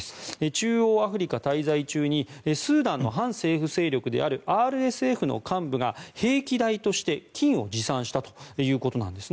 中央アフリカ滞在中にスーダンの反政府勢力であるＲＳＦの幹部が兵器代として金を持参したということです。